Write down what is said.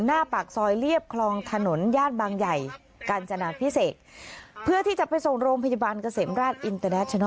หน้าปากซอยเรียบคลองถนนย่านบางใหญ่กาญจนาพิเศษเพื่อที่จะไปส่งโรงพยาบาลเกษมราชอินเตอร์แดชโน